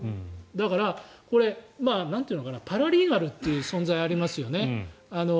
だから、パラリーガルという存在ありますよね。